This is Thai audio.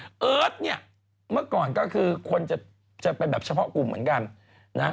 อำแวนแล้วเอิร์ดเนี่ยเมื่อก่อนก็คือคุณจะแบบเฉพาะกลุ่มเหมือนกันนะ